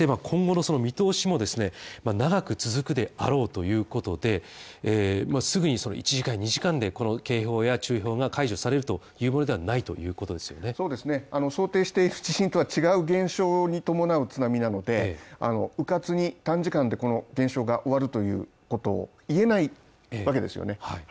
今後の見通しも長く続くであろうということですぐにその１時間２時間でこの警報や注意報が解除されるというものではないということですよね想定している地震とは違う現象に伴う津波なのでうかつに短時間でこの現象が終わるという事を言えないわけですよね。